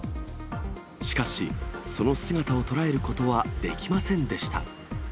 しかし、その姿を捉えることはできませんでした。